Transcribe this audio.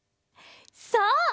そう！